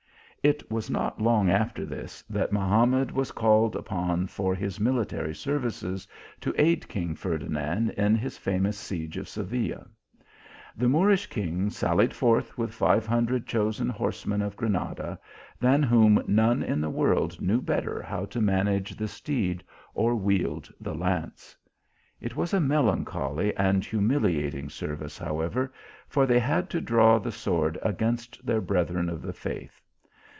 It was not long after this that Mahamad was called upon for his military services, to aid king Ferdinand in his famous siege of Seville. The Moorish king sallied forth with five hundred chosen horsemen of Granada, than whom none in the world knew better how to manage the steed or wield the lance. It was a melancholy and humiliating service, however, for they had to draw the sword against their brethren of the faith.